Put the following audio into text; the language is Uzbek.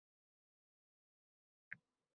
Yelkamga olgandim uchgan yulduzni.